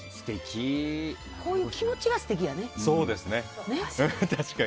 こういう気持ちが素敵やね。